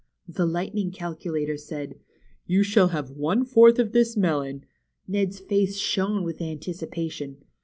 The Lightning Calculator said : You shall have one fourth of this melon" — Ned's face shone with anticipation.